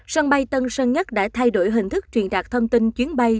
sân bay tân sơn nhất đã thay đổi hình thức truyền đạt thông tin chuyến bay